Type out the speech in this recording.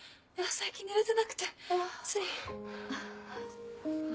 最近寝れてなくてつい。